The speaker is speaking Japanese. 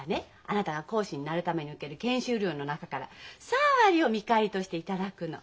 あなたが講師になるために受ける研修料の中から３割を見返りとして頂くの。